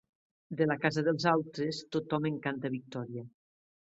De la casa dels altres, tothom en canta victòria.